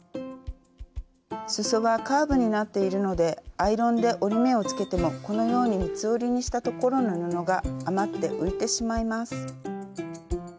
すそはカーブになっているのでアイロンで折り目をつけてもこのように三つ折りにしたところの布が余って浮いてしまいます。